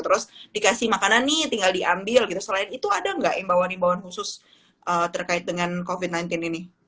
terus dikasih makanan nih tinggal diambil gitu selain itu ada nggak imbauan imbauan khusus terkait dengan covid sembilan belas ini